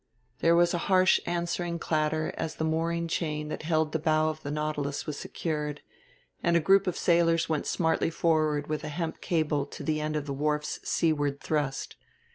There was a harsh answering clatter as the mooring chain that held the bow of the Nautilus was secured, and a group of sailors went smartly forward with a hemp cable to the end of the wharf's seaward thrust.